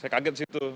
saya kaget disitu